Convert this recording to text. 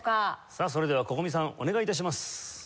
さあそれではＣｏｃｏｍｉさんお願い致します。